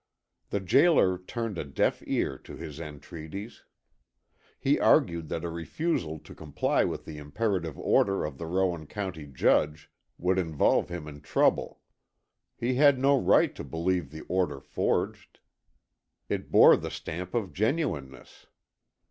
The jailer turned a deaf ear to his entreaties. He argued that a refusal to comply with the imperative order of the Rowan County Judge would involve him in trouble. He had no right to believe the order forged. It bore the stamp of genuineness.